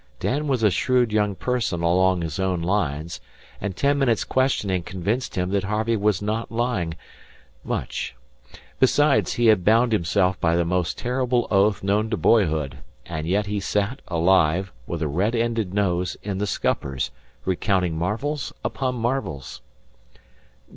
Dan was a shrewd young person along his own lines, and ten minutes' questioning convinced him that Harvey was not lying much. Besides, he had bound himself by the most terrible oath known to boyhood, and yet he sat, alive, with a red ended nose, in the scuppers, recounting marvels upon marvels.